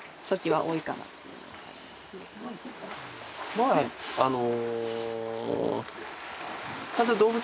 まああの。